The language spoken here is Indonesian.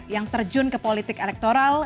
yang terjun ke politik elektoral